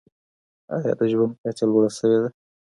ایا د ژوند کچه لوړه سوي ده؟